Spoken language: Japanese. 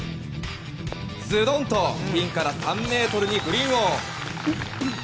ズドンとピンから３ｍにグリーンオン。